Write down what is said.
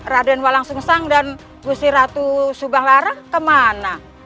raden walangsungsang dan gusti ratu subang lara kemana